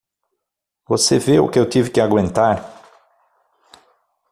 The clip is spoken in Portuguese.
Você vê o que eu tive que aguentar?